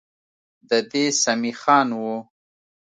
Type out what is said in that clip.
ددې سمي خان وه.